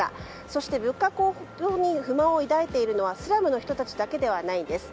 そして物価高騰に不満を抱いているのはスラムの人たちだけではないんです。